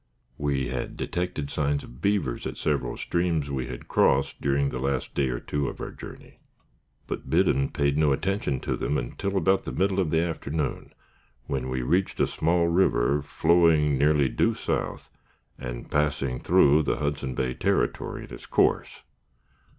We had detected signs of beavers at several streams which we crossed during the last day or two of our journey, but Biddon paid no attention to them until about the middle of the afternoon, when we reached a small river, flowing nearly due south, and passing through the Hudson Bay Territory in its course.